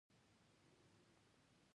څه وګړي په لږو شپو کې د عمرو وي.